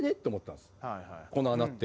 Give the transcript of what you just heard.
この穴って。